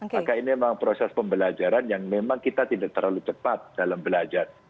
maka ini memang proses pembelajaran yang memang kita tidak terlalu cepat dalam belajar